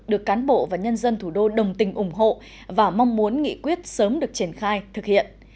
được cán bộ và nhân dân thủ đô đồng tình ủng hộ và mong muốn nghị quyết sớm được triển khai thực hiện